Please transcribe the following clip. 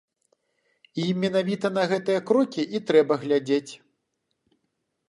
І менавіта на гэтыя крокі і трэба глядзець.